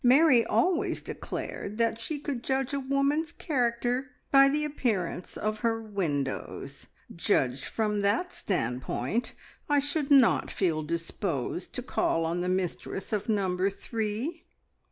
Mary always declared that she could judge a woman's character by the appearance of her windows. Judged from that standpoint, I should not feel disposed to call on the mistress of Number Three."